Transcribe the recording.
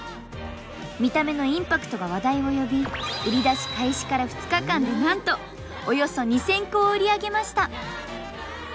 見た目のインパクトが話題を呼び売り出し開始から２日間でなんとおよそ２，０００個を売り上げました。